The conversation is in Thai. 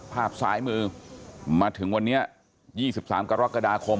ภาพซ้ายมือมาถึงวันนี้๒๓กรกฎาคม